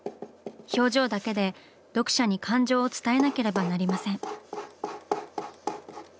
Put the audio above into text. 表情だけで読者に感情を伝えなければなりません。